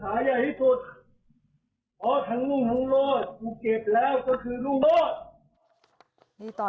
สายใหญ่ที่สุดอ๋อทั้งลุงทั้งโลศกูเก็บแล้วก็คือลุงโลศ